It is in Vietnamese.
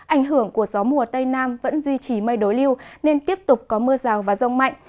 ảnh hưởng của gió mùa tây nam vẫn duy trì mây đối lưu nên tiếp tục có mưa rào và rông mạnh